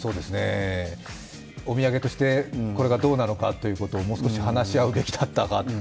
お土産としてこれがどうなのかということをもう少し話し合うべきだったか。